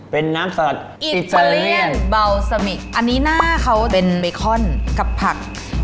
เป็นน้ำสัตว์อิตาเลียนเบาซามิกอันนี้หน้าเขาเป็นเบคอนกับผัก